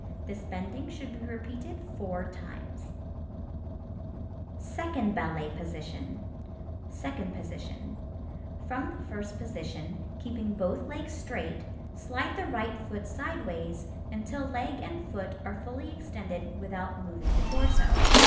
This bending should be repeated four times. [Illustration: Second Ballet Position] Second Position: From the first position, keeping both legs straight, slide the right foot sideways until leg and foot are fully extended without moving the torso.